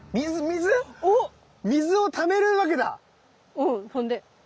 うんほんで？